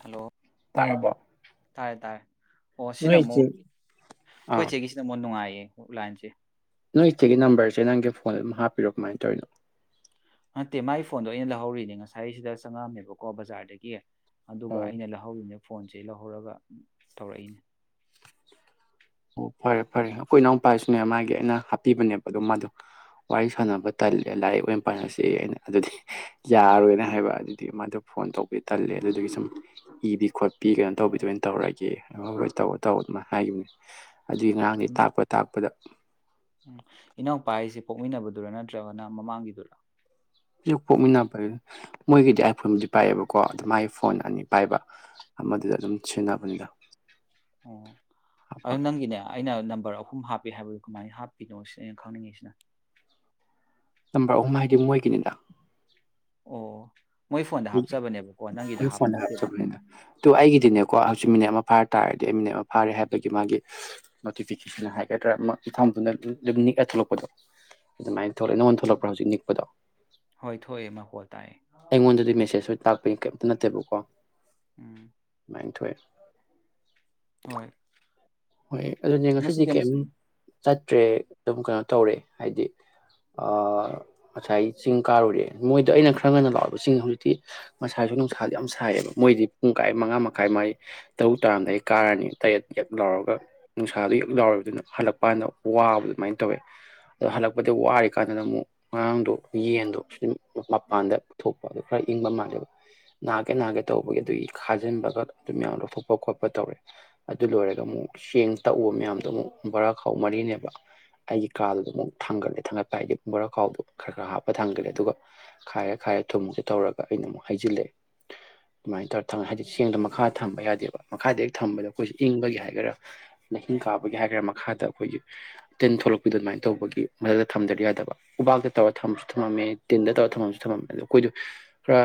hello ꯇꯥꯔꯕꯣ ꯇꯥꯥꯏꯔꯦ ꯇꯥꯥꯏꯔꯦ ꯑꯣ ꯁꯤꯅ ꯅꯣꯏ ꯑꯃꯨꯛ ꯏꯆꯦ ꯑꯩꯈꯣꯏ ꯑꯥ ꯆꯦꯒꯤꯁꯤꯅ ꯑꯃꯨꯛ ꯅꯨꯡꯉꯥꯏ ꯂꯥꯏꯟꯁꯦ ꯅꯣꯏ ꯏꯆꯦꯒꯤ ꯅꯝꯕꯔꯁꯦ ꯅꯪꯒꯤ ꯐꯣꯟ ꯑꯗꯨꯝ ꯍꯥꯞꯄꯤꯔꯣ ꯀꯃꯥꯏꯅ ꯇꯧꯔꯤꯅꯣ ꯅꯠꯇꯦ ꯃꯒꯤ ꯐꯣꯟꯗꯣ ꯑꯩꯅ ꯂꯧꯍꯧꯔꯤꯅꯦ ꯉꯁꯥꯏ ꯁꯤꯗ ꯆꯪꯉꯛꯑꯝꯃꯦꯕꯀꯣ ꯕꯖꯥꯔꯗꯒꯤ ꯑꯗꯨꯒ ꯑꯣ ꯑꯩꯅ ꯂꯧꯍꯧꯔꯤꯅꯦ ꯐꯣꯟꯁꯦ ꯂꯧꯍꯧꯔꯒ ꯇꯧꯔꯛꯏꯅꯤ ꯑꯣ ꯐꯔꯦ ꯐꯔꯦ ꯑꯩꯈꯣꯏ ꯏꯅꯥꯎꯄꯥꯁꯨꯅꯦ ꯃꯥꯒꯤ ꯑꯩꯅ ꯍꯥꯞꯄꯤꯕꯅꯦꯕ ꯑꯗꯨꯝ ꯃꯥꯗꯤ ꯋꯥꯔꯤ ꯁꯥꯟꯅꯕ ꯇꯜꯂꯦ ꯂꯥꯏꯔꯤꯛ ꯑꯣꯏꯅ ꯄꯥꯅꯁꯤ ꯑꯩꯅ ꯑꯗꯨꯗꯤ ꯌꯥꯔꯣꯏꯅ ꯍꯥꯏꯕ ꯑꯗꯨꯗꯤ ꯃꯥꯗꯣ ꯐꯣꯟ ꯇꯧꯕꯤ ꯇꯜꯂꯦ ꯑꯗꯨꯗꯒꯤ ꯁꯨꯝ ꯏꯕꯤ ꯈꯣꯠꯄꯤ ꯀꯩꯅꯣ ꯇꯧꯕꯤꯗꯅ ꯇꯧꯔꯒꯦ ꯍꯣꯏ ꯇꯧꯋ‌ꯣ ꯇꯧꯋ‌ꯣ ꯑꯗꯨꯃꯥꯏꯅ ꯍꯥꯏꯈꯤꯕꯅꯤ ꯑꯗꯨꯒꯤ ꯉꯔꯥꯡꯗꯩ ꯇꯥꯛꯄ ꯇꯥꯛꯄꯗ [unintelligible] ꯎꯝ ꯏꯅꯥꯎꯄꯥ ꯍꯥꯏꯁꯦ ꯄꯣꯛꯃꯤꯟꯅꯕꯗꯨꯔꯥ ꯅꯠꯇ꯭ꯔꯒꯅ ꯃꯃꯥꯡꯒꯤꯗꯨꯔꯥ ꯍꯦꯛ ꯄꯣꯛꯃꯤꯟꯅꯕ ꯃꯣꯏꯒꯤꯗꯤ ꯑꯥꯏꯐꯣꯟꯕꯨꯗꯤ ꯄꯥꯏꯑꯦꯕꯀꯣ ꯑꯗꯨ ꯃꯒꯤ ꯐꯣꯟ ꯑꯅꯤ ꯄꯥꯏꯕ ꯑꯃꯗꯨꯗ ꯑꯗꯨꯝ ꯁꯤꯖꯤꯟꯅꯕꯅꯤꯗ ꯑꯣ ꯑꯗꯨ ꯍꯥꯞꯄꯒ ꯅꯪꯒꯤꯅꯦ ꯑꯩꯅ ꯅꯝꯕꯔ ꯑꯍꯨꯝ ꯍꯥꯞꯄꯤ ꯍꯥꯏꯕꯗꯨ ꯀꯃꯥꯏꯅ ꯍꯥꯞꯄꯤꯅꯣ ꯁꯤ ꯑꯩꯅ ꯈꯪꯅꯤꯡꯉꯤꯁꯤꯅ ꯅꯝꯕꯔ ꯑꯍꯨꯝ ꯍꯥꯏꯗꯤ ꯃꯣꯏꯒꯤꯅꯤꯗ ꯑꯣ ꯃꯣꯏ ꯐꯣꯟꯗ ꯍꯥꯞꯆꯕꯅꯦꯕꯀꯣ ꯅꯪꯒꯤꯗ ꯍꯣꯏ ꯍꯥꯞꯄ ꯐꯣꯟꯗ ꯅꯠꯇꯦꯕ ꯍꯥꯞꯆꯕꯅꯤꯅ ꯑꯗꯨ ꯑꯩꯒꯤꯗꯤꯅꯦꯀꯣ ꯍꯧꯖꯤꯛ ꯃꯤꯅꯤꯠ ꯑꯃ ꯐꯥꯔꯛ ꯇꯥꯔꯗꯤ ꯑꯩ ꯃꯤꯅꯠ ꯑꯃ ꯐꯥꯔꯦ ꯍꯥꯏꯕꯒꯤ ꯃꯥꯒꯤ ꯅꯣꯇꯤꯐꯤꯀꯦꯁꯟ ꯍꯥꯏꯒꯗ꯭ꯔꯥ ꯃꯁꯥ ꯃꯊꯟꯗ ꯑꯗꯨꯝ ꯅꯤꯛꯑ ꯊꯣꯛꯂꯛꯄꯗꯣ ꯑꯗꯨꯃꯥꯏꯅ ꯊꯣꯛꯂꯛꯑꯦ ꯅꯪꯉꯣꯟꯗ ꯊꯣꯛꯂꯛꯄ꯭ꯔꯥ ꯍꯧꯖꯤꯛ ꯅꯤꯛꯄꯗꯣ ꯍꯣꯏ ꯊꯣꯛꯑꯦ ꯃꯈ‌ꯣꯜ ꯇꯥꯏꯌ‌ꯦ ꯑꯩꯉꯣꯟꯗꯗꯤ ꯃꯦꯁꯦꯁ ꯑꯣꯏ ꯇꯥꯛꯄꯒꯤ ꯀꯩꯝꯇ ꯅꯠꯇꯦꯕꯀꯣ [unintelligible] ꯑꯅꯤ ꯊꯣꯛꯑꯦ ꯃ‌ꯣꯏ ꯍꯣꯏ ꯑꯗꯨꯗꯤ ꯉꯁꯤꯗꯤ ꯀꯩꯝ ꯆꯠꯇ꯭ꯔꯦ ꯑꯗꯨꯝ ꯀꯩꯅꯣ ꯇꯧꯔꯦ ꯍꯥꯏꯗꯤ ꯉꯁꯥꯏ ꯆꯤꯡ ꯀꯥꯔꯨꯔꯦ ꯃꯣꯏꯗꯣ ꯑꯩꯅ ꯈꯔ ꯉꯟꯅ ꯂꯥꯎꯕ ꯆꯤꯡ ꯍꯧꯖꯤꯛꯇꯤ ꯉꯁꯥꯏꯁꯨ ꯅꯨꯡꯁꯥꯗ ꯌꯥꯝ ꯁꯥꯏꯌꯦꯕ ꯃꯣꯏꯗꯤ ꯄꯨꯡ ꯀꯥꯏ ꯃꯉꯥ ꯃꯈꯥꯏ ꯃꯥꯏ ꯇꯔꯨꯛ ꯇꯔꯥꯝꯗꯥ ꯑꯩ ꯀꯥꯔꯅꯤ ꯇꯔꯦꯠ ꯌꯦꯛ ꯂꯥꯎꯔꯒ ꯈ ꯅꯨꯡꯁꯥꯗꯣ ꯌꯛ ꯂꯥꯎꯔꯕꯗꯨꯅ ꯍꯜꯂꯛꯄ ꯀꯥꯟꯗ ꯋꯥꯕ ꯑꯗꯨꯃꯥꯏꯅ ꯇꯧꯋꯦ ꯑꯗꯣ ꯍꯜꯂꯛꯄꯗ ꯋꯥꯔꯤ ꯀꯥꯟꯗꯨꯗꯅ ꯑꯃꯨꯛ ꯉꯔꯥꯡꯗꯣ ꯌꯦꯟꯗꯣ ꯁꯨꯝ ꯃꯄꯥꯟꯗ ꯄꯨ ꯊꯣꯛꯄ ꯑꯗꯨ ꯈꯔ ꯏꯪꯕ ꯃꯥꯜꯂꯦꯕ ꯅꯥꯒꯦ ꯅꯥꯒꯦ ꯇꯧꯕꯒꯤ ꯑꯗꯨꯒꯤ ꯈꯥꯖꯤꯟꯕꯒ ꯑꯗꯨꯝ ꯃꯌꯥꯝ ꯂꯧꯊꯣꯛꯄ ꯈꯣꯠꯄ ꯇꯧꯔꯦ ꯑꯗꯨ ꯂꯣꯏꯔꯒ ꯑꯃꯨꯛ ꯆꯦꯡ ꯇꯛꯎꯕ ꯃꯌꯥꯝꯗꯣ ꯑꯃꯨꯛ ꯕꯣꯔꯥꯈꯥꯎ ꯃꯔꯤꯅꯦꯕ ꯑꯩꯒꯤ ꯀꯥꯜꯗꯨꯗꯣ ꯑꯃꯨꯛ ꯊꯥꯡꯒꯠꯂꯦ ꯊꯥꯡꯒꯠꯄ ꯍꯥꯏꯗꯤ ꯕꯣꯔꯥꯈꯥꯎꯗꯣ ꯈꯔ ꯈꯔ ꯍꯥꯞꯄ ꯊꯥꯡꯒꯠꯂꯦ ꯑꯗꯨꯒ ꯈꯥꯏꯔ ꯈꯥꯏꯔ ꯊꯨꯃꯨꯛꯁꯦ ꯇꯧꯔꯒ ꯑꯩꯅ ꯑꯃꯨꯛ ꯍꯩꯖꯤꯜꯂꯛꯑꯦ ꯑꯗꯨꯃꯥꯏꯅ ꯇꯧꯔ ꯇꯧꯔ‌ꯦ ꯍꯥꯏꯗꯤ ꯆꯦꯡꯗ‌ꯣ ꯃꯈꯥꯗ ꯊꯝꯕ ꯌꯥꯗꯦꯕ ꯃꯈꯥꯗ ꯍꯦꯛ ꯊꯝꯕꯗꯣ ꯑꯩꯈꯣꯏꯁꯦ ꯏꯪꯕꯒꯤ ꯍꯥꯏꯒꯦꯔꯥ ꯂꯥꯏꯍꯤꯡ ꯀꯥꯕꯒꯤ ꯍꯥꯏꯈꯔꯥ ꯃꯈꯥꯗ ꯑꯩꯈꯣꯏꯒꯤ ꯇꯤꯟ ꯊꯣꯛꯂꯛꯄꯤꯗꯣ ꯑꯗꯨꯃꯥꯏꯅ ꯇꯧꯕꯒꯤ ꯃꯊꯛꯇ ꯊꯝꯗꯔꯗꯤ ꯌꯥꯗꯕ ꯎꯕꯥꯛꯇ ꯇꯧꯔ ꯊꯝꯕꯁꯨ ꯊꯝꯃꯝꯃꯦ ꯇꯤꯟꯗ ꯇꯧꯔꯒ ꯊꯝꯃꯝꯁꯨ ꯊꯝꯃꯝꯃꯦ ꯑꯗꯣ ꯑꯩꯈꯣꯏꯗꯣ ꯈꯔ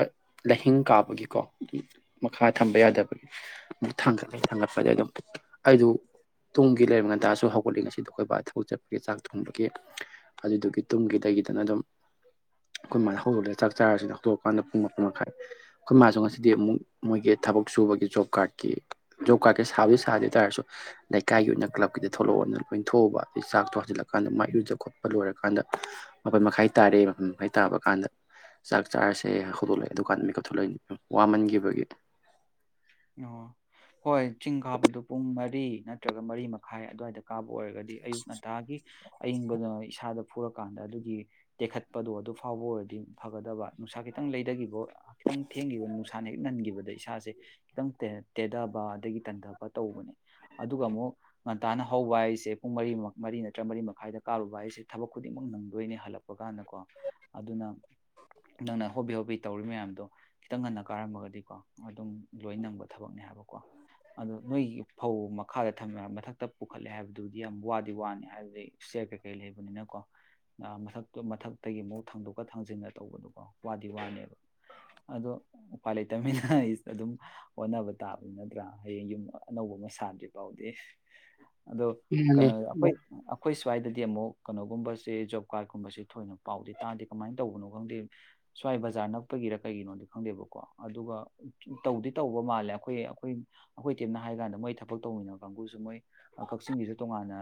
ꯂꯥꯏꯍꯤꯡ ꯀꯥꯕꯒꯤꯀꯣ ꯃꯈꯥ ꯊꯝꯕ ꯌꯥꯗꯕꯒꯤ ꯑꯃꯨꯛ ꯊꯥꯡꯒꯠꯂꯦ ꯊꯥꯡꯒꯠꯄꯗꯒꯤ ꯑꯗꯨꯝ ꯑꯩꯗꯨ ꯇꯨꯡꯒꯤ ꯂꯩꯔꯝ ꯑꯌꯨꯛ ꯆꯟꯇꯥꯁꯨ ꯍꯧꯒꯠꯂꯤ ꯉꯁꯤꯗ ꯑꯩꯈ‌ꯣꯏ ꯕꯥꯗ‌ꯣ ꯊꯕꯛ ꯆꯠꯄꯒꯤ ꯆꯥꯛ ꯊꯣꯡꯕꯒꯤ ꯑꯗꯨꯗꯨꯒꯤ ꯇꯨꯝꯒꯤꯗꯒꯤꯗꯅ ꯑꯗꯨꯝ ꯑꯩꯈꯣꯏ ꯃꯥꯅ ꯍꯧꯔꯛꯂꯒ ꯆꯥꯛ ꯆꯥꯔꯁꯤ ꯍꯧꯗꯣꯛꯑꯀꯥꯟꯗ ꯄꯨꯡ ꯃꯥꯄꯟ ꯃꯈꯥꯏ ꯑꯩꯈꯣꯏ ꯃꯥꯁꯨ ꯉꯁꯤꯗꯤ ꯑꯃꯨꯛ ꯃꯣꯏꯒꯤ ꯊꯕꯛ ꯁꯨꯕꯒꯤ ꯖꯣꯕ ꯀꯥꯔꯗꯀꯤ ꯖꯣꯕ ꯀꯥꯔꯠꯀꯤ ꯁꯥꯕꯗꯤ ꯁꯥꯗ ꯍꯥꯏ ꯇꯥꯔꯁꯨ ꯂꯩꯀꯥꯏꯒꯤ ꯑꯣꯏꯅ ꯀ꯭ꯂꯕꯀꯤꯗ ꯊꯣꯛꯂꯛꯑꯣꯅ ꯂꯣꯏ ꯊꯣꯛꯎꯕ ꯑꯗꯒꯤ ꯆꯥꯛꯇꯣ ꯍꯟꯖꯤꯜꯂꯛꯀꯥꯟꯗ ꯃꯥꯏ ꯏꯔꯨꯖꯕ ꯈꯣꯠꯄ ꯂꯣꯏꯔꯀꯥꯟꯗ ꯃꯄꯟ ꯃꯈꯥꯏ ꯇꯥꯔ‌ꯦ ꯃꯄꯟ ꯃꯈꯥꯏ ꯇꯥꯕ ꯀꯥꯟꯗ ꯆꯥꯛ ꯆꯥꯔꯁꯦ ꯍꯧꯗꯣꯛꯂꯛꯑꯦ ꯑꯗꯨ ꯀꯥꯟꯗ ꯃꯤꯀꯞ ꯊ‌ꯣꯛꯂꯛꯏꯅ‌ꯦ ꯋꯥꯃꯟꯈꯤꯕꯒꯤ ꯑꯣ ꯍꯣꯏ ꯆꯤꯡ ꯈꯥꯕꯗꯨ ꯄꯨꯡ ꯃꯔꯤ ꯅꯠꯇ꯭ꯔꯒ ꯃꯔꯤ ꯃꯈꯥꯏ ꯑꯗꯨꯋꯥꯏꯗ ꯀꯥꯕ ꯑꯣꯏꯔꯒꯗꯤ ꯑꯌꯨꯛ ꯉꯟꯇꯥꯒꯤ ꯑꯌꯤꯡꯕꯅ ꯏꯁꯥꯗ ꯐꯨꯔꯀꯥꯟꯗ ꯑꯗꯨꯒꯤ ꯇꯦꯈꯠꯄꯗꯣ ꯑꯗꯨ ꯐꯥꯎꯕ ꯑꯣꯏꯔꯗꯤ ꯐꯒꯗꯕ ꯅꯨꯡꯁꯥ ꯈꯤꯇꯪ ꯂꯩꯗꯒꯤꯕ ꯈꯤꯇꯪ ꯊꯦꯡꯈꯤꯕ ꯅꯨꯡꯁꯥ ꯍꯦꯛ ꯅꯟꯈꯤꯕꯗ ꯏꯁꯥꯁꯦ ꯈꯤꯇꯪ ꯇꯦꯊꯕ ꯑꯗꯒꯤ ꯇꯟꯊꯕ ꯇꯧꯕꯅꯦ ꯑꯗꯨꯒ ꯑꯃꯨꯛ ꯉꯟꯇꯥꯅ ꯍꯧꯕ ꯍꯥꯏꯁꯦ ꯄꯨꯡ ꯃꯔꯤꯃꯥ ꯃꯔꯤ ꯅꯠꯇ꯭ꯔꯒ ꯃꯔꯤ ꯃꯈꯥꯏꯗ ꯀꯥꯔꯨꯕ ꯍꯥꯏꯁꯦ ꯊꯕꯛ ꯈꯨꯗꯤꯡꯃꯛ ꯅꯪꯗꯣꯏꯅꯦ ꯍꯜꯂꯛꯄ ꯀꯥꯟꯗꯀꯣ ꯑꯗꯨꯅ ꯅꯪꯅ ꯍꯣꯕꯤ ꯍꯣꯕꯤ ꯇꯧꯔꯤ ꯃꯌꯥꯝꯗꯣ ꯈꯤꯇꯪ ꯉꯟꯅ ꯀꯥꯔꯝꯃꯒꯗꯤꯀꯣ ꯑꯗꯨꯝ ꯂꯣꯏ ꯅꯪꯕ ꯊꯕꯛꯅꯦ ꯍꯥꯏꯕꯀꯣ ꯑꯗ ꯅꯣꯏꯒꯤ ꯐꯧ ꯃꯈꯥ ꯊꯝꯃꯦ ꯃꯊꯛꯇ ꯄꯨꯈꯠꯂꯦ ꯍꯥꯏꯕꯗꯨꯗꯤ ꯌꯥꯝ ꯋꯥꯠ ꯋꯥꯅꯤ ꯍꯥꯏꯕꯗꯤ ꯏꯁꯇꯩꯔ ꯀꯩꯀꯩ ꯂꯩꯕꯅꯤꯅꯀꯣ ꯃꯊꯛꯇ ꯃꯊꯛꯇꯒꯤ ꯑꯃꯨꯛ ꯊꯥꯡꯗꯣꯛꯀ ꯊꯥꯡꯖꯤꯟꯒ ꯇꯧꯕꯗꯀꯣ ꯋꯥꯗꯤ ꯋꯥꯅꯦꯕ ꯑꯗꯣ ꯎꯄꯥꯏ ꯂꯩꯇꯕꯅꯤꯅ ꯑꯩ ꯑꯗꯨꯝ ꯍꯣꯠꯅꯕ ꯇꯥꯕꯅꯤ ꯅꯠꯇ꯭ꯔꯥ ꯍꯌꯦꯡ ꯌꯨꯝ ꯑꯅꯧꯕ ꯑꯃ ꯁꯥꯥꯗ꯭ꯔꯤ ꯐꯥꯎꯗꯤ ꯑꯗꯣ ꯃꯥꯅꯦ ꯀꯩꯅꯣ ꯑꯩꯈꯣꯏ ꯑꯩꯈꯣꯏ ꯁ꯭ꯋꯥꯏꯗꯗꯤ ꯑꯃꯨꯛ ꯀꯩꯅꯣꯒꯨꯝꯕꯁꯦ ꯖꯣꯕ ꯀꯥꯔꯠꯀꯨꯝꯕꯁꯦ ꯊꯣꯏꯅ ꯄꯥꯎꯗꯦ ꯇꯥꯗꯦ ꯀꯃꯥꯏꯅ ꯇꯧꯕꯅꯣ ꯈꯪꯗꯦ ꯁ꯭ꯋꯥꯏ ꯕꯖꯥꯔ ꯅꯛꯄꯒꯤꯔ ꯀꯩꯒꯤꯅꯣꯗꯤ ꯈꯪꯗꯦꯕꯀꯣ ꯑꯗꯨꯒ ꯇꯧꯗꯤ ꯇꯧꯕ ꯃꯥꯜꯂꯦ ꯑꯩꯈꯣꯏ ꯑꯩꯈꯣꯏ ꯑꯩꯈꯣꯏ ꯇꯦꯝꯅ ꯍꯥꯏ ꯀꯥꯟꯗ ꯃꯣꯏ ꯊꯕꯛ ꯇꯧꯃꯤꯟꯅꯕ ꯀꯥꯡꯕꯨꯁꯨ ꯃꯣꯏ ꯀꯛꯆꯤꯡꯒꯤꯁꯨ ꯇꯣꯉꯥꯟꯅ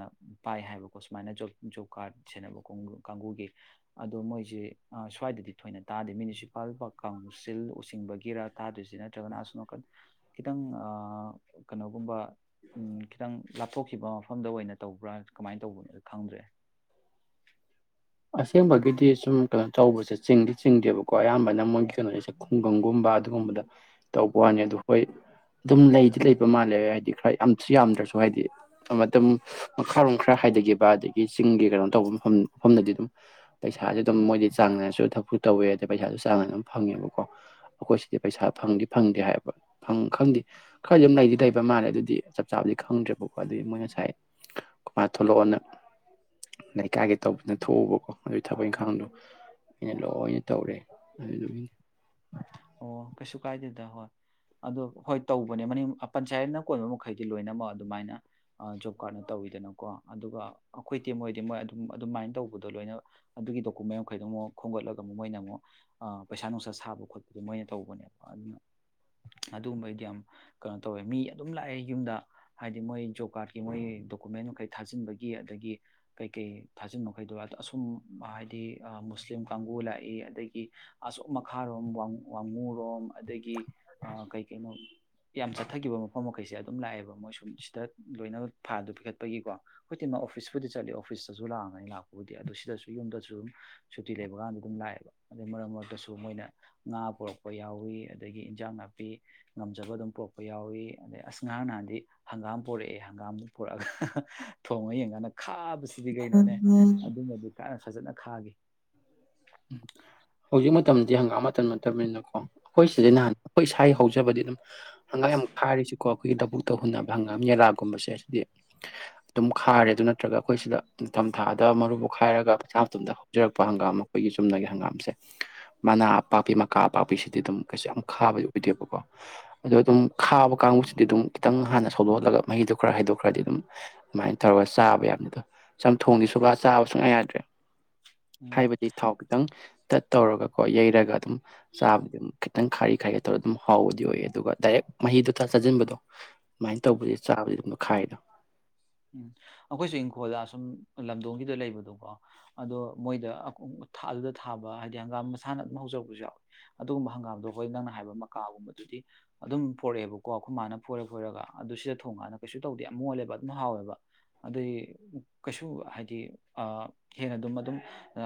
ꯄꯥꯏ ꯍꯥꯏꯕꯀꯣ ꯁꯨꯃꯥꯏꯅ ꯖꯣꯕ ꯖꯣꯕ ꯀꯥꯔꯠ ꯁꯦꯟꯅꯕ ꯀꯥꯡꯒꯨ ꯀꯥꯡꯒꯨꯒꯤ ꯑꯗꯣ ꯃꯣꯏꯁꯦ ꯁ꯭ꯋꯥꯏꯗꯗꯤ ꯊꯣꯏꯅ ꯇꯥꯗꯦ ꯃ꯭ꯌꯨꯅꯤꯁꯤꯄꯥꯜ ꯀꯥꯎꯟꯁꯤꯜ ꯆꯤꯡꯕꯒꯤꯔꯥ ꯇꯥꯗꯔꯤꯁꯤꯅ [unintelligible] ꯈꯤꯇꯪ ꯀꯩꯅꯣꯒꯨꯝꯕ ꯈꯤꯇꯪ ꯂꯥꯞꯊꯣꯛꯈꯤꯕ ꯃꯐꯝꯗ ꯑꯣꯏꯅ ꯇꯧꯕ꯭ꯔꯥ ꯀꯃꯥꯏꯅ ꯇꯧꯕꯅꯣ ꯈꯪꯗ꯭ꯔꯦ ꯑꯁꯦꯡꯕꯒꯤꯗꯤ ꯁꯨꯝ ꯀꯩꯅꯣ ꯇꯧꯕꯁꯦ ꯆꯤꯡꯗꯤ ꯆꯤꯡꯗꯦꯕꯀꯣ ꯑꯌꯥꯝꯕꯅ ꯃꯣꯏꯒꯤ ꯀꯩꯅꯣꯗꯁꯦ ꯈꯨꯡꯒꯪꯒꯨꯝꯕ ꯑꯗꯨꯒꯨꯝꯕꯗ ꯇꯧꯕ ꯋꯥꯅꯤ ꯑꯗꯨꯣ ꯍꯣꯏ ꯑꯗꯨꯝ ꯂꯩꯗꯤ ꯂꯩꯕ ꯃꯥꯜꯂꯦ ꯍꯥꯏꯗꯤ ꯈꯔ ꯌꯥꯝꯁꯨ ꯌꯥꯝꯗ꯭ꯔꯁꯨ ꯍꯥꯏꯗꯤ ꯑꯃ ꯑꯗꯨꯝ ꯃꯈꯥꯔꯣꯝ ꯈꯔ ꯍꯥꯏꯊꯈꯤꯕ ꯑꯗꯒꯤ ꯆꯤꯡꯒꯤ ꯀꯩꯅꯣ ꯇꯧꯕ ꯃꯐꯝ ꯃꯐꯝꯗꯗꯤ ꯑꯗꯨꯝ ꯄꯩꯁꯥꯁꯦ ꯑꯗꯨꯝ ꯃꯣꯏꯗꯤ ꯆꯥꯡꯅꯅꯥꯅꯁꯨ ꯊꯕꯛꯨ ꯇꯧꯋꯦ ꯑꯗꯩ ꯄꯩꯁꯥꯁꯨ ꯆꯥꯡꯅꯅꯥꯅ ꯑꯗꯨꯝ ꯐꯪꯉꯦꯕꯀꯣ ꯑꯩꯈꯣꯏ ꯁꯤꯗꯤ ꯄꯩꯁꯥ ꯐꯪꯗꯤ ꯐꯪꯗꯦ ꯍꯥꯏꯕ ꯈꯪꯗꯦ ꯈꯔꯗꯤ ꯑꯗꯨꯝ ꯂꯩꯗꯤ ꯂꯩꯕ ꯃꯥꯜꯂꯦ ꯑꯗꯨꯗꯤ ꯆꯞ ꯆꯥꯕꯗꯤ ꯈꯪꯗ꯭ꯔꯦꯕꯀꯣ ꯑꯗꯨꯗꯤ ꯃꯣꯏ ꯉꯁꯥꯏ ꯀꯃꯥꯏꯅ ꯊꯣꯛꯂꯛꯑꯣꯅ ꯂꯩꯀꯥꯏꯒꯤ ꯇꯧꯕꯅ ꯊꯣꯛꯎꯕ ꯑꯗꯨꯒꯤ ꯊꯕꯛ ꯏꯪꯈꯥꯡꯗꯣ ꯑꯩꯅ ꯂꯣꯏꯅ ꯇꯧꯔꯦ ꯑꯗꯨ ꯑꯣ ꯀꯩꯁꯨ ꯀꯥꯏꯗꯦꯗ ꯍꯣꯏ ꯑꯗꯣ ꯍꯣꯏ ꯇꯧꯕꯅꯦ ꯃꯅꯤꯡ ꯄꯟꯆꯥꯌꯦꯠꯅ ꯀꯣꯟꯕ ꯃꯈꯩꯗꯤ ꯂꯣꯏꯅꯃꯛ ꯑꯗꯨꯃꯥꯏꯅ ꯖꯣꯕ ꯀꯥꯔꯠꯅ ꯇꯧꯋꯤꯗꯅꯀꯣ ꯑꯗꯨꯒ ꯑꯩꯈꯣꯏꯗꯤꯤ ꯃꯣꯏꯗꯤ ꯃꯣꯏ ꯑꯗꯨꯝ ꯑꯗꯨꯃꯥꯏꯅ ꯇꯧꯕꯗꯣ ꯂꯣꯏꯅ ꯑꯗꯨꯒꯤ ꯗꯣꯀꯨꯃꯦꯟ ꯃꯈꯩꯗꯣ ꯑꯃꯨꯛ ꯈꯣꯝꯒꯠꯂꯒ ꯑꯃꯨꯛ ꯃꯣꯏꯅ ꯑꯃꯨꯛ ꯄꯩꯁꯥ ꯅꯨꯡꯁꯥ ꯁꯥꯕ ꯈꯣꯠꯄ ꯑꯗꯨ ꯃꯣꯏꯅ ꯇꯧꯕꯅꯦꯕ ꯑꯗꯨꯅ ꯑꯗꯨꯒꯨꯝꯕꯩꯗꯤ ꯌꯥꯝ ꯀꯩꯅꯣ ꯇꯧꯋꯦ ꯃꯤ ꯑꯗꯨꯝ ꯂꯥꯛꯑꯦ ꯌꯨꯝꯗ ꯍꯥꯏꯗꯤ ꯃꯣꯏ ꯖꯣꯕ ꯀꯥꯔꯠꯀꯤ ꯃꯣꯏ ꯗꯣꯀꯨꯃꯦꯟ ꯃꯈꯩ ꯊꯥꯖꯤꯟꯕꯒꯤ ꯑꯗꯒꯤ ꯀꯩꯀꯩ ꯊꯥꯖꯤꯟꯕ ꯃꯈꯩꯗꯣ ꯑꯁꯨꯝ ꯍꯥꯏꯗꯤ ꯃꯨꯁꯂꯤꯝ ꯀꯥꯡꯕꯨ ꯂꯥꯛꯏ ꯑꯗꯒꯤ ꯑꯁꯨꯝ ꯃꯈꯥꯔꯣꯝ ꯋꯥꯃꯨꯔꯣꯝ ꯑꯗꯒꯤ ꯀꯩ ꯀꯩꯅꯣ ꯌꯥꯝ ꯆꯠꯊꯈꯤꯕ ꯃꯐꯝ ꯃꯈꯩꯁꯦ ꯑꯗꯨꯝ ꯂꯥꯛꯑꯦꯕ ꯃꯣꯏ ꯁꯨꯝ ꯁꯤꯗ ꯂꯣꯏꯅ ꯐꯥꯗ ꯄꯤꯈꯠꯄꯒꯤꯀꯣ ꯍꯧꯖꯤꯛꯇꯤ ꯃꯥ ꯑꯣꯐꯤꯁꯄꯨꯗꯤ ꯆꯠꯂꯤ ꯑꯣꯐꯤꯁꯇꯁꯨ ꯂꯥꯛꯒꯅꯤ ꯂꯥꯛꯄꯕꯨꯗꯤ ꯑꯗꯨꯣ ꯁꯤꯗꯁꯨ ꯌꯨꯝꯗꯁꯨ ꯑꯗꯨꯝ ꯁꯨꯇꯤ ꯂꯩꯕꯀꯥꯟꯗ ꯑꯗꯨꯝ ꯂꯥꯛꯑꯦꯕ ꯑꯗꯨꯗꯩ ꯃꯔꯛ ꯃꯔꯛꯇꯁꯨ ꯃꯣꯏꯅ ꯉꯥ ꯄꯨꯣꯔꯛꯄ ꯌꯥꯎꯏꯤ ꯑꯗꯒꯤ ꯏꯟꯖꯥꯡ ꯅꯥꯄꯤ ꯉꯝꯖꯕ ꯑꯗꯨꯝ ꯄꯔꯛꯄ ꯌꯥꯎꯏꯤ ꯑꯗꯩ ꯑꯁ ꯉꯍꯥꯡ ꯅꯍꯥꯟꯗꯤ ꯍꯪꯒꯥꯝ ꯄꯣꯔꯛꯑꯦ ꯍꯪꯒꯥꯝꯗꯨ ꯄꯔꯛꯑꯒ ꯊꯣꯡꯉ ꯌꯦꯡꯀꯥꯟꯗ ꯈꯥꯕꯁꯤ ꯁꯤꯗꯤ ꯎꯝ ꯀꯩꯅꯣꯅꯦ ꯎꯝ ꯑꯗꯨꯝꯕꯗꯤ ꯀꯥꯅ ꯐꯖꯅ ꯈꯥꯒꯦ ꯎꯝ ꯍꯧꯖꯤꯛ ꯃꯇꯝꯗꯤ ꯍꯪꯒꯥꯝ ꯃꯇꯟ ꯅꯠꯇꯕꯅꯤꯅꯀꯣ ꯍꯈꯣꯏ ꯁꯤꯁꯦ ꯎꯝ ꯅꯍꯥꯟ ꯑꯩꯈꯣꯏ ꯁ ꯍꯧ ꯆꯕꯗꯤꯅꯝ ꯍꯪꯒꯥꯥꯡ ꯌꯥꯝꯨꯛ ꯀꯥꯏꯔꯤꯁꯤꯀꯣ ꯑꯩꯈꯣꯏꯒꯤ ꯗꯕꯨꯛꯇ ꯍꯨꯟꯅꯕ ꯍꯪꯒꯥꯝ ꯌꯦꯂꯥꯒꯨꯝꯕꯁꯦ ꯑꯁꯤꯗꯤ ꯑꯗꯨꯝ ꯈꯥꯔꯦ ꯑꯗꯨ ꯅꯠꯇ꯭ꯔꯒ ꯑꯩꯈꯣꯏ ꯁꯤꯗ ꯅꯤꯡꯊꯝꯊꯥꯗ ꯃꯔꯨꯕꯨ ꯈꯥꯏꯔꯒ ꯄꯩꯁꯥ ꯃꯇꯗ ꯍꯧꯖꯔꯛꯄ ꯍꯪꯒꯥꯝ ꯑꯃ ꯑꯩꯈꯣꯏꯒꯤ ꯆꯨꯝꯅꯒꯤ ꯍꯪꯒꯥꯝꯁꯦ ꯃꯅꯥ ꯑꯄꯥꯛꯄꯤ ꯃꯀꯥ ꯑꯄꯥꯛꯄꯤ ꯁꯤꯗꯤ ꯑꯗꯨꯝ ꯀꯩꯁꯨ ꯌꯥꯝ ꯈꯥꯕꯗꯤ ꯑꯣꯏꯗꯣꯏꯕꯀꯣ ꯑꯗꯣ ꯑꯗꯨꯝ ꯈꯥꯕ ꯀꯥꯡꯕꯨꯁꯤꯗꯤ ꯑꯗꯨꯝ ꯈꯤꯇꯪ ꯍꯥꯟꯅ ꯁꯣꯂꯣꯛꯍꯜꯂꯒ ꯃꯍꯤꯗꯣ ꯈꯔ ꯍꯩꯗꯣꯛꯈ꯭ꯔꯗꯤ ꯑꯗꯨꯝ ꯑꯗꯨꯃꯥꯏꯅ ꯇꯧꯔꯒ ꯆꯥꯕ ꯌꯥꯕꯅꯤ ꯑꯗꯣ ꯁꯝ ꯊꯣꯡꯗꯤ ꯁꯨꯒ ꯆꯥꯕ ꯁꯨꯡꯉꯥꯏ ꯌꯥꯗ꯭ꯔꯦ ꯎꯝ ꯍꯥꯏꯕꯗꯤ ꯊꯥꯎ ꯈꯤꯇꯪ ꯇꯠ ꯇꯧꯔꯒꯀꯣ ꯌꯩꯔꯒ ꯑꯗꯨꯝ ꯁꯥꯕꯗꯤꯦ ꯈꯤꯇꯪ ꯈꯥꯏꯔꯤ ꯈꯥꯏꯔꯤ ꯇꯧꯔꯒ ꯑꯗꯨꯝ ꯍꯥꯎꯕꯗꯤ ꯑꯣꯏꯌꯦ ꯑꯗꯨꯒ ꯗꯥꯏꯔꯦꯛ ꯃꯍꯤꯗꯣ ꯆ ꯆꯥꯁꯤꯟꯕꯗꯣ ꯑꯗꯨꯃꯥꯏꯅ ꯇꯧꯕꯁꯦ ꯆꯥꯁ ꯑꯗꯨꯝ ꯈꯥꯏꯗꯣ ꯎꯝ ꯑꯩꯈꯣꯏꯁꯨ ꯏꯪꯈꯣꯜꯗ ꯑꯁꯨꯝ ꯂꯝꯗꯣꯡꯒꯤꯗ ꯂꯩꯕꯗꯣꯀꯣ ꯑꯗꯣ ꯃꯣꯏꯗ ꯑꯗꯨꯗ ꯊꯥꯕ ꯍꯥꯏꯗꯤ ꯍꯪꯒꯥꯝ ꯃꯁꯥꯅ ꯑꯗꯨꯝ ꯍꯧꯖꯔꯛꯄꯁꯨ ꯌꯥꯎꯋꯏ ꯑꯗꯨꯒꯨꯝꯕ ꯍꯪꯒꯥꯝꯗꯣ ꯑꯩꯈꯣꯏ ꯅꯪꯅ ꯍꯥꯏꯕ ꯃꯀꯥꯒꯨꯝꯕꯗꯨꯗꯤ ꯑꯗꯨꯝ ꯐꯣꯔꯛꯑꯦꯕꯀꯣ ꯈꯨꯃꯥꯅ ꯐꯣꯏꯔ ꯐꯣꯏꯔꯒ ꯑꯗꯨ ꯁꯤꯗ ꯊꯣꯡꯉꯥꯟꯅ ꯀꯩꯁꯨ ꯇꯧꯗꯦ ꯌꯥꯝ ꯃꯣꯜꯂꯦꯕ ꯑꯗꯨꯝ ꯍꯥꯎꯋꯦꯕ ꯑꯗꯨꯩ ꯀꯩꯁꯨ ꯍꯥꯏꯗꯤ ꯍꯦꯟꯅ ꯑꯗꯨꯝ ꯑꯗꯨꯝ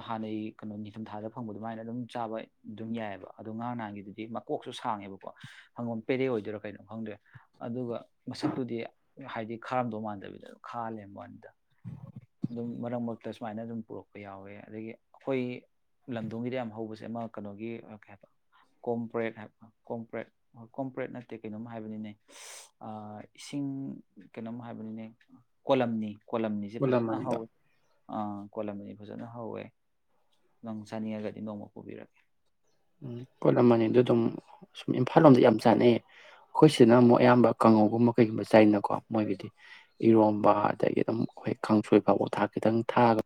ꯍꯥꯟꯅꯩ ꯀꯩꯅꯣ ꯅꯤꯡꯊꯝꯊꯥꯗ ꯐꯪꯕ ꯑꯗꯨꯃꯥꯏꯅ ꯑꯗꯨꯝ ꯆꯥꯕ ꯑꯗꯨꯝ ꯌꯥꯏꯑꯕ ꯑꯗꯣ ꯉꯔꯥꯡ ꯅꯍꯥꯟꯒꯤꯗꯨꯗꯤ ꯃꯀꯣꯛꯁꯨ ꯁꯥꯡꯉꯦꯕꯀꯣ ꯍꯪꯒꯣꯝ ꯄꯦꯔꯦ ꯑꯣꯏꯗꯣꯏꯔ ꯀꯩꯅꯣꯝ ꯈꯪꯗꯦ ꯑꯗꯨꯒ ꯃꯁꯛꯇꯨꯗꯤ ꯍꯥꯏꯗꯤ ꯈꯔ ꯃꯥꯟꯗꯕꯤꯗ ꯈꯥꯜꯂꯦꯟꯗ ꯑꯗꯨꯝ ꯃꯔꯛ ꯃꯔꯛꯇ ꯁꯨꯃꯥꯏꯅ ꯑꯗꯨꯝ ꯄꯨꯔꯛꯄ ꯌꯥꯎꯋꯦ ꯑꯗꯒꯤ ꯑꯩꯈꯣꯏ ꯂꯝꯗꯣꯡꯒꯤꯗ ꯌꯥꯝ ꯍꯧꯕꯁꯦ ꯑꯃ ꯀꯩꯅꯣꯒꯤ ꯀꯩ ꯍꯥꯏꯕ ꯀꯣꯝꯄ꯭ꯔꯦꯠ ꯍꯥꯏꯕ ꯀꯣꯝꯄ꯭ꯔꯦꯠꯣꯏ ꯀꯣꯝꯄ꯭ꯔꯦꯠ ꯅꯠꯇꯦ ꯀꯩꯅꯣꯝ ꯍꯥꯏꯕꯅꯤꯅꯦ ꯏꯁꯤꯡ ꯀꯩꯅꯣꯝ ꯍꯥꯏꯕꯅꯤꯅꯦ ꯀꯣꯂꯝꯅꯤ ꯀꯣꯂꯝ ꯐꯖꯅ ꯍ ꯃꯨꯜꯂꯝꯃꯅꯤꯗ ꯑ ꯀꯣꯜꯂꯝ ꯑꯅꯤ ꯐꯖꯅ ꯍꯧꯋꯦ ꯅꯪ ꯆꯥꯅꯤꯡꯉꯒꯗꯤ ꯅꯣꯡꯃ ꯄꯨꯕꯤꯔꯛꯀꯦ ꯎꯝ ꯄꯣꯠ ꯑꯃꯅꯤ ꯑꯗꯨ ꯑꯗꯨꯝ ꯁꯨꯝ ꯏꯝꯐꯥꯜ ꯂꯣꯝꯗ ꯌꯥꯝ ꯆꯥꯅꯩꯌꯦ ꯑꯩꯈꯣꯏ ꯁꯤꯅ ꯑꯃꯨꯛ ꯑꯌꯥꯝꯕ ꯀꯥꯡꯉꯧꯒꯨꯝꯕ ꯀꯩꯒꯨꯝꯕ ꯆꯩꯅꯀꯣ ꯃꯣꯏꯒꯤꯗꯤ ꯏꯔꯣꯝꯕ ꯑꯗꯒꯤ ꯑꯗꯨꯝ ꯑꯩꯈꯣꯏ ꯀꯥꯡꯁꯣꯏ ꯐꯥꯎꯕ ꯊꯥꯛ ꯈꯤꯇꯪ ꯊꯥꯒ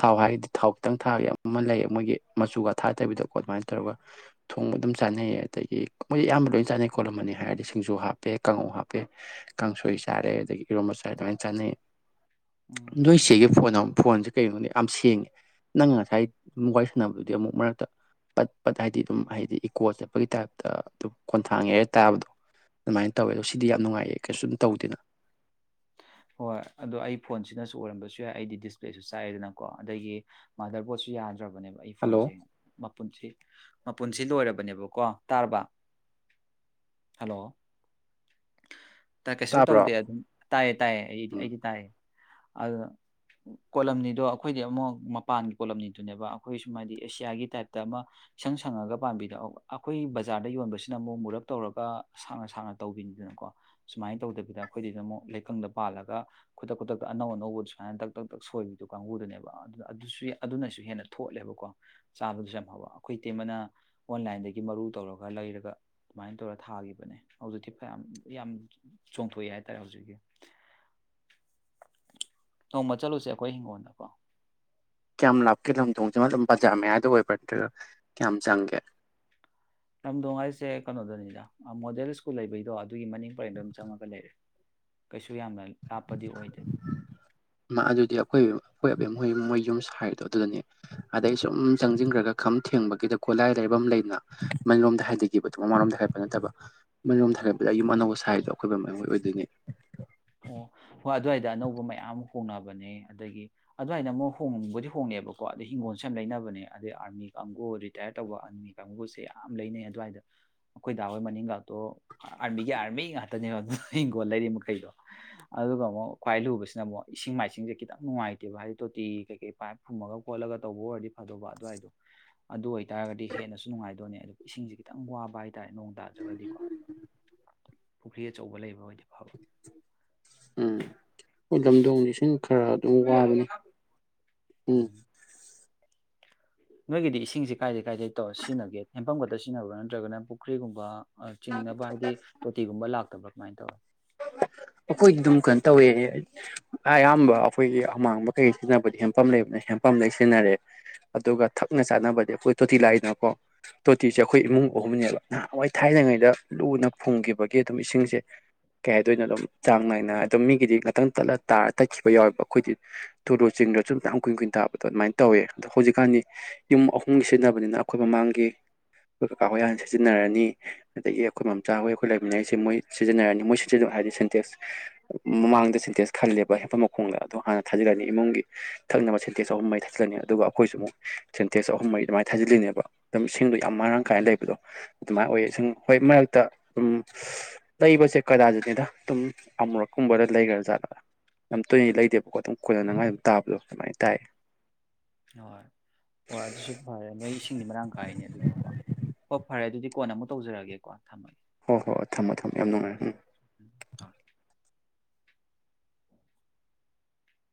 ꯊꯥꯎ ꯍꯥꯏꯔꯒꯗꯤ ꯊꯥꯎ ꯈꯤꯇꯪ ꯊꯥꯒ ꯑꯃ ꯂꯩꯌꯦ ꯃꯣꯏꯒꯤ ꯃꯆꯨꯒ ꯊꯥꯗꯕꯤꯗꯀꯣ ꯑꯗꯨꯃꯥꯏꯅ ꯇꯧꯔꯒ ꯊꯣꯡꯕ ꯑꯗꯨꯝ ꯆꯥꯅꯩ ꯑꯗꯒꯤ ꯃꯣꯏ ꯑꯌꯥꯝꯕ ꯂꯣꯏ ꯆꯥꯅꯩ ꯀꯣꯜꯂꯝꯃꯅꯤ ꯍꯥꯏꯔꯗꯤ ꯁꯤꯡꯖꯨ ꯍꯥꯞꯄꯦ ꯀꯥꯡꯉꯧ ꯍꯥꯞꯄꯦ ꯀꯥꯡꯁꯣꯏ ꯆꯥꯔꯦ ꯑꯗꯒꯤ ꯏꯔꯣꯝ ꯃꯆꯥꯔ ꯂꯣꯏ ꯆꯥꯅꯩ ꯎꯝ ꯅꯣꯏꯁꯤꯒꯤ ꯐꯣꯟꯝ ꯐꯣꯟꯁꯦ ꯀꯒꯤꯩꯅꯣꯅꯦ ꯌꯥꯝ ꯁꯦꯡꯉꯦ ꯅꯪ ꯉꯁꯥꯏ ꯋꯥꯔꯤ ꯁꯥꯟꯅꯕꯗꯨꯗꯤ ꯑꯃꯨꯛ ꯃꯔꯛꯇ ꯄꯠ ꯄꯠ ꯍꯥꯏꯗꯤ ꯑꯗꯨꯝ ꯍꯥꯏꯗꯤ ꯏꯀꯣ ꯆꯠꯄꯒꯤ ꯇꯥꯏꯞꯇ ꯑꯗꯨꯝ ꯈꯣꯟꯊꯥꯡꯉꯦꯔ ꯇꯥꯕꯗꯣ ꯑꯗꯨꯃꯥꯏꯅ ꯇꯧꯋꯦ ꯑꯗꯣ ꯁꯤꯗꯤ ꯌꯥꯝ ꯅꯨꯡꯉꯥꯏꯌꯦ ꯀꯩꯁꯨ ꯑꯗꯨꯨꯝ ꯇꯧꯗꯦꯅ ꯍꯣꯏ ꯑꯗꯣ ꯑꯩ ꯐꯣꯟꯁꯤꯅꯁꯨ ꯑꯣꯏꯔꯝꯕꯁꯨ ꯌꯥꯏ ꯑꯩꯗꯤ ꯗꯤꯁꯄ꯭ꯂꯦꯁꯨ ꯆꯥꯏꯦꯗꯅꯀꯣ ꯑꯗꯒꯤ ꯃꯥꯁꯇꯔꯄꯕꯣꯠꯁꯨ ꯌꯥꯗ꯭ꯔ ꯐꯠꯇ꯭ꯔꯕꯅꯦꯕ ꯑꯩ ꯍꯜꯂꯣ ꯐꯣꯟꯁꯦ ꯃꯄꯨꯟꯁꯤ ꯃꯄꯨꯟꯁꯤ ꯂꯣꯏꯔꯕꯅꯦꯕꯀꯣ ꯇꯥꯔꯕ ꯍꯜꯂꯣ ꯀꯩꯁꯨ ꯇꯥꯕ꯭ꯔꯣ ꯇꯧꯗꯦ ꯑꯗꯨꯝ ꯇꯥꯏꯌꯦ ꯇꯥꯏꯌꯦ ꯑꯩꯗꯤ ꯎꯝ ꯑꯩꯗꯤ ꯇꯥꯏꯌꯦ ꯑ ꯀꯣꯂꯝꯅꯤꯗꯣ ꯑꯩꯈꯣꯏꯗꯤ ꯑꯃꯨꯛ ꯃꯄꯥꯟꯒꯤ ꯀꯣꯠꯂꯝꯅꯤꯗꯨꯅꯦꯕ ꯑꯩꯈꯣꯏ ꯁꯨꯃꯥꯏꯗꯤ ꯑꯦꯁꯤꯌꯥꯒꯤ ꯇꯥꯏꯞꯇ ꯑꯃ ꯏꯁꯪ ꯁꯪꯉꯒ ꯄꯥꯝꯕꯤꯗꯣ ꯑꯩꯈꯣꯏ ꯕꯖꯥꯔꯗ ꯌꯣꯟꯕꯁꯤꯅ ꯑꯃꯨꯛ ꯃꯨꯔꯞ ꯇꯧꯔꯒ ꯁꯥꯡꯅ ꯁꯥꯡꯅ ꯇꯧꯕꯤꯅꯤ ꯑꯗꯨꯅ ꯀꯣ ꯁꯨꯃꯥꯏꯅ ꯇꯧꯗꯕꯤꯗ ꯑꯩꯈꯣꯏꯗꯗ ꯑꯃꯛ ꯂꯩꯀꯪꯗ ꯄꯥꯜꯂꯒ ꯈꯨꯗꯛ ꯈꯨꯗꯛꯇ ꯑꯅꯧ ꯑꯅꯧꯕꯗꯣ ꯁꯨꯃꯥꯏꯅ ꯇꯛ ꯇꯛ ꯇꯛ ꯁꯣꯏꯕꯤꯗꯣ ꯀꯥꯡꯕꯨꯗꯨꯅꯦꯕ ꯑꯗꯨꯅ ꯑꯗꯨꯁꯨ ꯑꯗꯨꯅꯁꯨ ꯍꯦꯟꯅ ꯊꯣꯠꯂꯦꯕꯀꯣ ꯆꯥꯕꯗꯨꯁꯨ ꯌꯥꯝ ꯐꯥꯎꯕ ꯑꯩꯈꯣꯏ ꯏ ꯇꯦꯝꯃꯅ ꯑꯣꯟꯂꯥꯏꯟꯗꯒꯤ ꯃꯔꯨ ꯇꯧꯔꯒ ꯂꯩꯔꯒ ꯑꯗꯨꯃꯥꯏꯅ ꯇꯧꯔ ꯊꯥꯒꯤꯈꯤꯕꯅꯦ ꯍꯧꯖꯤꯛꯇꯤ ꯌꯥꯝ ꯌꯥꯝ ꯆꯣꯡꯊꯣꯛꯑꯦ ꯍꯥꯏꯇꯥꯔꯦ ꯍꯧꯖꯤꯛꯀꯤ ꯅꯣꯡꯃ ꯆꯠꯂꯨꯁꯦ ꯑꯩꯈꯣꯏ ꯍꯤꯡꯒꯣꯜꯗꯀꯣ ꯀꯌꯥꯝ ꯂꯥꯞꯀꯦ ꯂꯝꯗꯣꯡꯁꯤꯃ ꯑꯗꯨꯝ ꯕꯖꯥꯔ ꯃꯌꯥꯗ ꯑꯣꯏꯕ ꯅꯠꯇ꯭ꯔꯒ ꯀꯌꯥꯝ ꯆꯪꯒꯦ ꯂꯝꯗꯣꯡ ꯍꯥꯏꯁꯦ ꯀꯩꯅꯣꯗꯅꯤꯗ ꯃꯣꯗꯦꯜ ꯁ꯭ꯀꯨꯜ ꯂꯩꯕꯩꯗꯣ ꯑꯗꯨꯒꯤ ꯃꯅꯤꯡ ꯄꯔꯦꯡꯗ ꯑꯗꯨꯝ ꯆꯪꯉꯒ ꯂꯩꯔꯦ ꯀꯩꯁꯨ ꯌꯥꯝꯅ ꯂꯥꯞꯄꯗꯤ ꯑꯣꯏꯗꯦ ꯃꯥ ꯑꯗꯨꯗꯤ ꯑꯩꯈꯣꯏ ꯑꯩꯣꯏꯞ ꯃꯣꯏ ꯃꯣꯏ ꯌꯨꯝ ꯁꯥꯏꯗꯣ ꯑꯗꯨꯗꯅꯦ ꯑꯗꯩ ꯁꯨꯝ ꯆꯪꯁꯤꯟꯈ꯭ꯔꯒ ꯈꯝ ꯊꯦꯡꯕꯒꯤꯗ ꯈꯣꯂꯥꯏ ꯂꯩꯐꯝ ꯑꯃ ꯂꯩꯅ ꯏꯃꯜ ꯂꯣꯝꯗ ꯍꯥꯏꯗꯈꯤꯕꯗꯣ ꯃꯃꯥꯡꯔꯣꯝꯗ ꯍꯥꯏꯕꯠ ꯅꯠꯇꯕ ꯏꯃꯜꯔꯣꯝꯗ ꯍꯥꯏꯒꯠꯄꯗ ꯌꯨꯝ ꯑꯅꯧꯕ ꯁꯥꯏꯗꯣ ꯑꯀꯣꯏꯕ ꯃꯣꯏ ꯑꯣꯏꯗꯣꯏꯅꯦ ꯑꯣ ꯍꯣꯏ ꯑꯗꯨꯋꯥꯏꯗ ꯑꯅꯧꯕ ꯃꯌꯥꯝ ꯑꯃ ꯍꯣꯡꯅꯕꯅꯦ ꯑꯗꯒꯤ ꯑꯗꯨꯋꯥꯏꯗ ꯑꯃꯨꯛ ꯍꯣꯡꯕꯨꯗꯤ ꯍꯣꯡꯉꯦꯕꯀꯣ ꯑꯗꯩ ꯍꯤꯡꯒꯣꯜꯁꯨ ꯌꯥꯝ ꯂꯩꯅꯕꯅꯦ ꯑꯗꯩ ꯑꯥꯔꯃꯤ ꯀꯥꯡꯕꯨ ꯔꯤꯇꯥꯌꯔ ꯇꯧꯕ ꯑꯥꯔꯃꯤ ꯀꯥꯡꯕꯨꯁꯦ ꯌꯥꯝ ꯂꯩꯅꯩ ꯑꯗꯨꯋꯥꯏꯗ ꯑꯩꯈꯣꯏ ꯗꯥ ꯍꯣꯏ ꯃꯅꯤꯡꯈꯥꯛꯇꯣ ꯑꯥꯔꯃꯤꯒꯤ ꯑꯥꯔꯃꯤ ꯉꯥꯛꯇꯅꯦꯕ ꯑꯗꯨꯅ ꯍꯤꯡꯒꯣꯜ ꯂꯩꯔꯤ ꯃꯈꯩꯗꯣ ꯑꯗꯨꯒ ꯑꯃꯨꯛ ꯈ꯭ꯋꯥꯏ ꯂꯨꯕꯁꯤꯅ ꯑꯃꯨꯛ ꯏꯁꯤꯡ ꯃꯥꯏꯁꯤꯡꯁꯦ ꯈꯤꯇꯪ ꯅꯨꯡꯉꯥꯏꯇꯦꯕ ꯍꯥꯏꯗꯤ ꯇꯣꯇꯤ ꯀꯩꯀꯩ ꯄꯥꯏꯞ ꯐꯨꯝꯃꯒ ꯈꯣꯠꯂꯒ ꯇꯧꯕ ꯑꯣꯏꯔꯗꯤ ꯐꯗꯧꯕ ꯑꯗꯨꯋꯥꯏꯗꯣ ꯑꯗꯨ ꯑꯣꯏꯇꯥꯥꯔꯒꯗꯤ ꯍꯦꯟꯅꯁꯨ ꯅꯨꯡꯉꯥꯏꯗꯣꯏꯅꯦ ꯑꯗꯨ ꯏꯁꯤꯡꯁꯦ ꯈꯤꯇꯪ ꯋꯥꯕ ꯍꯥꯏ ꯇꯥꯔꯦ ꯅꯣꯡ ꯇꯥꯗ꯭ꯔꯒꯗꯤꯀꯣ ꯄꯨꯈ꯭ꯔꯤ ꯑꯆꯧꯕ ꯂꯩꯕ ꯑꯣꯏꯔꯗꯤ ꯐꯕ ꯍ ꯑꯗꯨ ꯀꯕ ꯎꯝ ꯅꯣꯏꯒꯤꯗꯤ ꯏꯁꯤꯡꯁꯤꯦ ꯀꯥꯏꯗꯗꯒꯤ ꯀꯥꯏꯗꯩ ꯇꯧꯔ ꯁꯤꯖꯤꯟꯅꯒꯦ ꯌꯐꯝ ꯈꯛꯇ ꯁꯤꯖꯤꯟꯅꯕ꯭ꯔꯥ ꯅꯠꯇ꯭ꯔꯒꯅ ꯄꯨꯈ꯭ꯔꯤꯒꯨꯝꯕ ꯆꯤꯡꯅꯕ ꯍꯥꯏꯗꯤ ꯇꯣꯇꯤꯒꯨꯝꯕ ꯂꯥꯛ ꯃꯥꯥꯏ ꯇꯧ ꯑꯩꯈꯣꯏꯗꯤ ꯑꯗꯨꯝ ꯀꯩꯅꯣ ꯇꯧꯋꯦ ꯑꯌꯥꯝꯕ ꯑꯩꯈꯣꯏꯒꯤ ꯑꯃꯥꯡꯕ ꯀꯩꯀ ꯁꯤꯖꯤꯟꯅꯕꯗꯤ ꯍꯦꯟꯄꯝ ꯂꯩꯕꯅ ꯍꯦꯟꯄꯝ ꯂꯩ ꯁꯤꯖꯤꯟꯅꯔꯦ ꯑꯗꯨꯒ ꯊꯛꯅ ꯆꯥꯅꯕꯗꯤ ꯑꯩꯈꯣꯏ ꯇꯣꯇꯤ ꯂꯥꯏꯗꯅꯀꯣ ꯇꯣꯇꯤꯁꯦ ꯑꯩꯈꯣꯏ ꯏꯃꯨꯡ ꯑꯍꯨꯝꯅꯦꯕ ꯅꯍꯥꯟꯋꯥꯏ ꯊꯥꯏꯅꯉꯩꯗ ꯂꯨꯅ ꯐꯨꯝꯈꯤꯕꯒꯤ ꯑꯗꯨꯝ ꯏꯁꯤꯡꯁꯦ ꯀꯩ ꯍꯥꯏꯗ‌ꯣꯏꯅ‌ꯣ ꯑꯗꯨꯝ ꯆꯥꯡ ꯅꯥꯏꯅ ꯑꯗꯨꯝ ꯃꯤꯒꯤꯗꯤ ꯉꯥꯛꯇꯪ ꯇꯠꯂ ꯇꯥꯔ ꯇꯠꯈꯤꯕ ꯌꯥꯎꯋꯦꯕ ꯑꯩꯈꯣꯏꯗꯤ ꯇꯨꯂ‌ꯣ ꯆꯤꯡꯕꯁꯨꯨ ꯌꯥꯝ ꯀꯨꯏꯅ ꯀꯨꯏꯟ ꯇꯥꯕꯗꯣ ꯑꯗꯨꯃꯥꯏꯅ ꯇꯧꯋꯦ ꯑꯗꯣ ꯍꯧꯖꯤꯛꯀꯥꯟꯗꯤ ꯌꯨꯝ ꯑꯍꯨꯝꯒꯤ ꯁꯤꯖꯤꯟꯅꯕꯅꯤꯅ ꯑꯩꯈꯣꯏ ꯃꯃꯥꯡꯒꯤ ꯑꯩꯈꯣꯏ ꯀꯥꯀꯥ ꯍꯣꯏ ꯍꯥꯟꯅ ꯁꯤꯖꯤꯟꯅꯔꯅꯤ ꯑꯗꯒꯤ ꯑꯩꯈꯣꯏ ꯃꯝꯆꯥꯍꯣꯏ ꯑꯩꯈꯣꯏ ꯂꯩꯃꯤꯟꯅꯉꯩꯁꯦ ꯃꯣꯏ ꯁꯤꯖꯤꯟꯅꯔꯅꯤ ꯃꯣꯏ ꯁꯤ ꯑꯗꯨꯝ ꯍꯥꯏꯗꯤ ꯁꯦꯟꯇꯦꯛꯁ ꯃꯃꯥꯡꯗ ꯁꯦꯟꯇꯦꯟꯁ ꯈꯜꯂꯦꯕ ꯍꯦꯟꯄ ꯃꯈꯣꯡꯗ ꯑꯗꯨꯝ ꯍꯥꯟꯅ ꯊꯥꯖꯤꯜꯂꯅꯤ ꯏꯃꯨꯡꯒꯤ ꯊꯛꯅꯕ ꯁꯦꯟꯇꯦꯛꯁ ꯑꯍꯨꯝ ꯃꯔꯤ ꯊꯥꯖꯤꯜꯂꯅꯤ ꯑꯗꯨꯒ ꯑꯩꯈꯣꯏꯁꯨ ꯑꯃꯨꯛ ꯁꯦꯟꯇꯦꯟꯁ ꯑꯍꯨꯝ ꯃꯔꯤ ꯑꯗꯨꯃꯥꯏꯅ ꯊꯥꯖꯤꯜꯂꯤꯅꯦꯕ ꯑꯗꯨꯝ ꯏꯁꯤꯡꯗꯣ ꯌꯥꯝ ꯃꯔꯥꯡ ꯀꯥꯏꯅ ꯂꯩꯕꯗꯣ ꯑꯗꯨꯃꯥꯏꯅ ꯑꯣꯏꯌꯦ ꯁꯤꯡ ꯍꯣꯏ ꯃꯔꯛꯇ ꯑꯗꯨꯝ ꯂꯩꯕꯁꯦ ꯀꯗꯥꯖꯤꯠꯅꯤꯗ ꯑꯗꯨꯝ ꯑꯃꯨꯔꯛꯀꯨꯝꯕꯗ ꯂꯩꯈ꯭ꯔꯥꯖꯥꯠꯂꯣ ꯌꯥꯝ ꯇꯣꯏꯅꯗꯤ ꯂꯩꯇꯦꯕꯀꯣ ꯑꯗꯨꯝ ꯀꯣꯏꯅꯅꯉꯥꯏ ꯑꯗꯨꯝ ꯇꯥꯕꯗꯣ ꯑꯗꯨꯃꯥꯏꯅ ꯇꯥꯏꯌꯦ ꯍꯣꯏ ꯍꯣꯏ ꯑꯗꯨꯁꯨ ꯐꯔꯦ ꯅꯣꯏ ꯏꯁꯤꯡꯗꯤ ꯃꯔꯥꯡ ꯀꯥꯏꯅꯦ ꯑꯗꯨꯗꯤꯀꯣ ꯍꯣꯏ ꯐꯔꯦ ꯑꯗꯨꯗꯤ ꯀꯣꯟꯅꯃꯨꯛ ꯇꯧꯖꯔꯛꯒꯦꯀꯣ ꯊꯝꯃꯒꯦ ꯍꯣꯏ ꯍꯣꯏ ꯍꯣꯏ ꯊꯝꯃꯣ ꯊꯝꯃꯣ ꯌꯥꯝ ꯅꯨꯡꯉꯥꯏꯔꯦ ꯎꯝ ꯑ